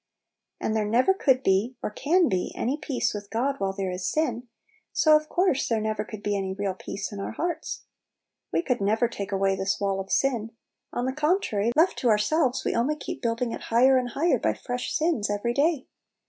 And there never could be or can be any peace with God while there is sin, so of course there never could be any real peace in our hearts. We could never take away this wall of sin; on the contrary, left to ourselves, we only keep building it higher and higher by fresh sins every day.